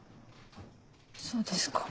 そうですか。